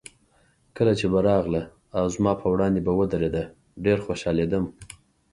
کله چې به راغله او زما په وړاندې به ودرېده، ډېر خوشحالېدم.